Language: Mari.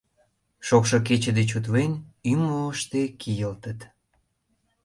Шокшо кече деч утлен, ӱмылыштӧ кийылтыт.